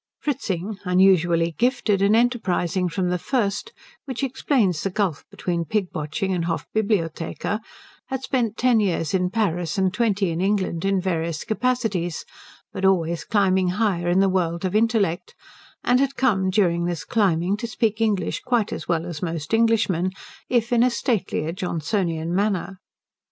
Fritzing, unusually gifted, and enterprising from the first which explains the gulf between pig watching and Hofbibliothekar had spent ten years in Paris and twenty in England in various capacities, but always climbing higher in the world of intellect, and had come during this climbing to speak English quite as well as most Englishmen, if in a statelier, Johnsonian manner.